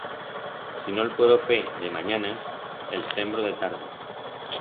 Si no'l puedo fer de manyanas, el sembro de tardes.